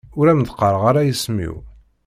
Ur am-d-qqareɣ ara isem-iw.